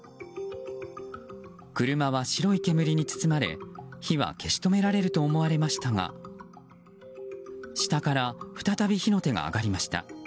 車は白い煙に包まれ、火は消し止められると思われましたが下から再び火の手が上がりました。